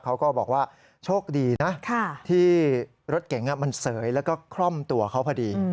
เขาก็บอกว่าโชคดีนะที่รถเก๋งมันเสยแล้วก็คล่อมตัวเขาพอดี